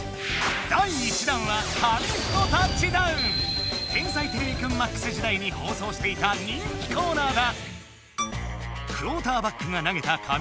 第１弾は「天才てれびくんＭＡＸ」時だいにほうそうしていた人気コーナーだ。